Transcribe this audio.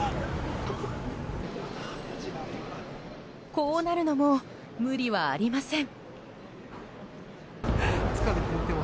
こうなるのも無理はありません。